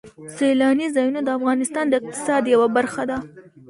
سیلاني ځایونه د افغانستان د اقتصاد یوه برخه ده.